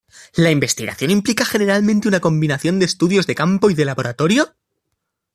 La investigación implica generalmente una combinación de estudios de campo y de laboratorio.